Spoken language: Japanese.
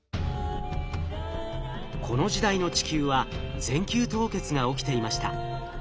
この時代の地球は全球凍結が起きていました。